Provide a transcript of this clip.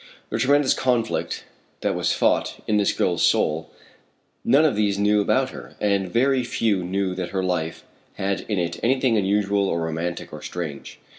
The tremendous conflict that was fought in this girl's soul none of those about her knew, and very few knew that her life had in it anything unusual or romantic or strange.